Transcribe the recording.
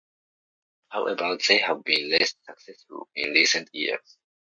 However they have been less successful in recent years.